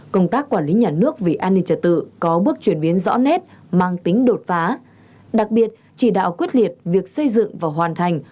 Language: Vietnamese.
công tác quản lý nhà nước về an ninh trật tự có bước chuyển biến rõ nét mang tính đột phá đặc biệt chỉ đạo quyết liệt việc xây dựng và hoàn thành